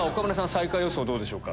最下位予想どうでしょうか？